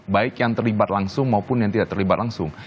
baik yang terlibat langsung maupun yang tidak terlibat langsung